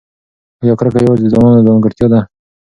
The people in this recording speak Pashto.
ایا کرکه یوازې د ځوانانو ځانګړتیا ده؟